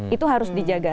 itu harus dijaga